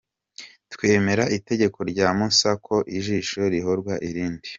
Twemera Itegeko rya Musa, ko ijisho rihorwa irindi.